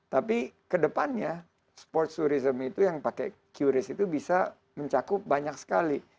tapi kedepannya sports tourism itu yang pakai qris itu bisa menjadikan